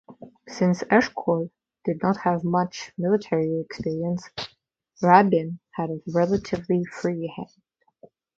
Since Eshkol did not have much military experience, Rabin had a relatively free hand.